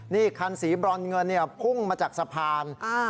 นี่คันสีบร่อนเงินเนี้ยพุ่งมาจากสะพานอ้า